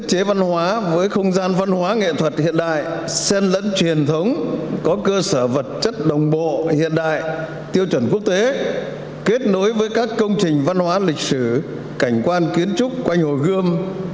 các nghệ thuật hiện đại sen lẫn truyền thống có cơ sở vật chất đồng bộ hiện đại tiêu chuẩn quốc tế kết nối với các công trình văn hóa lịch sử cảnh quan kiến trúc quanh hồ gươm